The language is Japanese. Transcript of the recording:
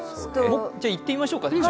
じゃあいってみましょうか。